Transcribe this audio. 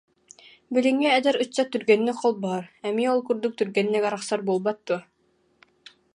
Билиҥҥи эдэр ыччат түргэнник холбоһор, эмиэ ол курдук түргэнник арахсар буолбат дуо